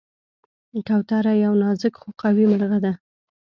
کوتره یو نازک خو قوي مرغه ده.